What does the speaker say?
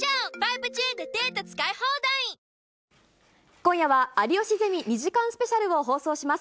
今夜は有吉ゼミ２時間スペシャルを放送します。